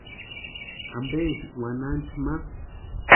¿Ampeski wanhancha ma?